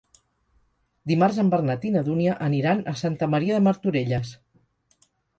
Dimarts en Bernat i na Dúnia aniran a Santa Maria de Martorelles.